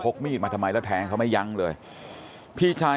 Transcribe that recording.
ตรของหอพักที่อยู่ในเหตุการณ์เมื่อวานนี้ตอนค่ำบอกให้ช่วยเรียกตำรวจให้หน่อย